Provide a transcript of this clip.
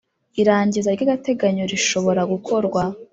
Irangiza ry ‘agateganyo rishobora gukorwa.